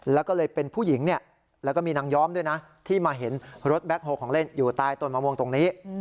แล้วก็เลยเป็นผู้หญิงเนี่ยแล้วก็มีนางย้อมด้วยนะที่มาเห็นรถแบ็คโฮของเล่นอยู่ใต้ต้นมะม่วงตรงนี้